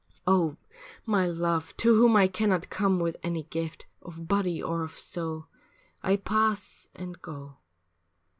Oh, my love To whom I cannot come with any gift Of body or of soul, I pass and go.